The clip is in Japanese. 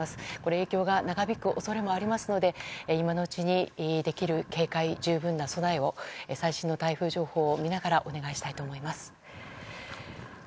影響が長引く恐れもありますので今のうちに、できる警戒十分な備えを最新の台風情報を見ながらお願いしたいと思います。